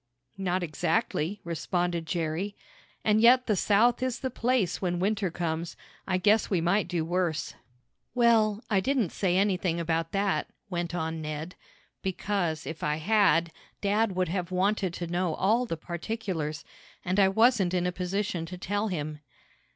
"Not exactly," responded Jerry. "And yet the South is the place when winter comes. I guess we might do worse." "Well, I didn't say anything about that," went on Ned, "because, if I had, dad would have wanted to know all the particulars, and I wasn't in a position to tell him."